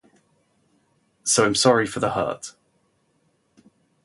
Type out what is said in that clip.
So I'm sorry for the hurt.